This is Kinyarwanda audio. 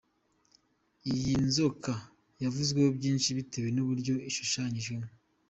Iyi nzoka yavuzweho byinshi bitewe n'uburyo ishushanyijemo.